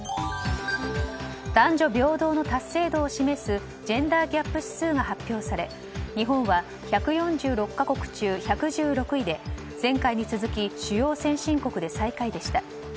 男女平等の達成度を示すジェンダーギャップ指数が発表され日本は１４６か国中１１６位で前回に続き主要先進国で最下位でした。